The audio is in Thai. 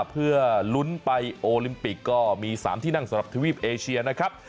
เพื่อลุ้นไปโอลิมปิกก็มี๓ที่นั่งสำหรับทวีปเอเชียนะครับ